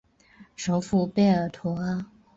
首府贝尔图阿。